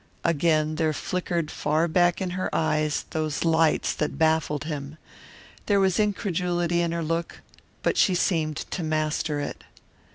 Again there flickered far back in her eyes those lights that baffled him. There was incredulity in her look, but she seemed to master it.